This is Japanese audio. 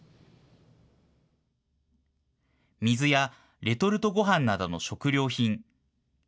水やレトルトごはんなどの食料品。